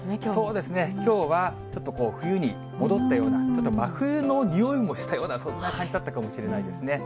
そうですね、きょうはちょっと冬に戻ったような、ちょっと真冬のにおいもしたような、そんな感じだったかもしれないですね。